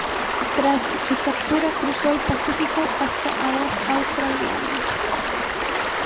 Tras su captura, cruzó el Pacífico hasta aguas australianas.